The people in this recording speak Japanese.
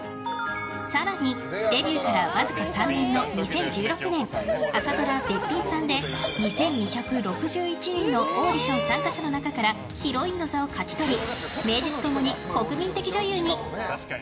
更に、デビューからわずか３年の２０１６年朝ドラ「べっぴんさん」で２２６１人のオーディション参加者の中からヒロインの座を勝ち取り名実ともに国民的女優に。